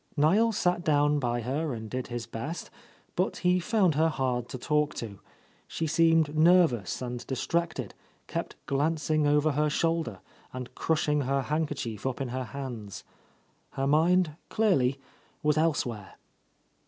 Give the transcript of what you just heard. Niel sat down by her and did his best, but he found her hard to talk to. She seemed nervous and distracted, kept glancing over her shoulder, and crushing her handkerchief up in her hands. Her mind, clearly, was elsewhere.